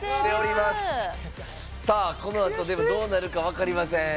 でも、このあとどうなるか分かりません。